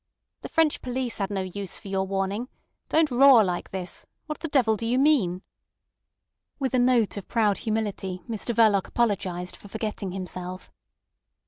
"The French police had no use for your warning. Don't roar like this. What the devil do you mean?" With a note of proud humility Mr Verloc apologised for forgetting himself.